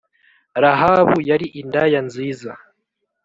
rahabu yari indaya nziza